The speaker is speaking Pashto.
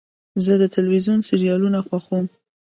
زه د تلویزیون سریالونه خوښوم.